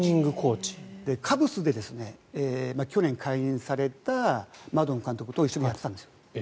カブスで去年解任されたマドン監督と一緒にやっていたんですよ。